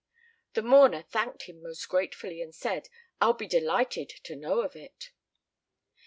The mourner thanked him most gratefully, and said, "I'll be delighted to know of it."